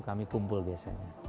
kami kumpul biasanya